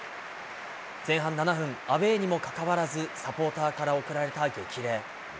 前半７分、アウエーにもかかわらず、サポーターから送られた激励。